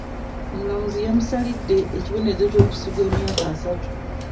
Omulamuzi yamusalidde ekibonerezo kya kusibwa emyaka asatu.